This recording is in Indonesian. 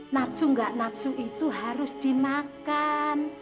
napsu gak napsu itu harus dimakan